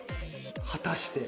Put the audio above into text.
果たして。